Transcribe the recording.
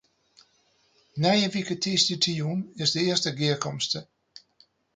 Nije wike tiisdeitejûn is de earste gearkomste.